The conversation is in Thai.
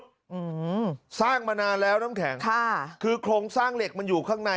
อืมสร้างมานานแล้วน้ำแข็งค่ะคือโครงสร้างเหล็กมันอยู่ข้างใน